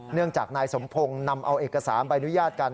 เนื่องจากนายสมพงศ์นำเอาเอกสารใบอนุญาตกัน